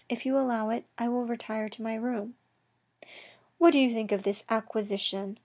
If you allow it, I will retire to my room." " What do you think of this ' acquisition ?